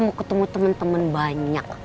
mau ketemu temen temen banyak